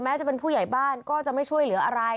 จะเป็นผู้ใหญ่บ้านก็จะไม่ช่วยเหลืออะไร